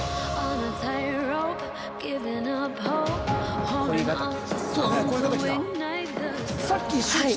はい。